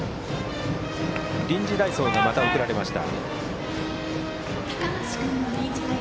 また臨時代走が送られました。